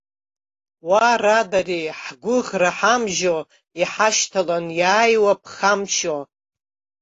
Уа радари, ҳӷәыӷра ҳамжьо, иҳашьҭалан иааиуа ԥхамшьо.